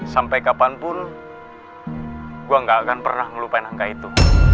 sampai kapanpun gue gak akan pernah ngelupain angka itu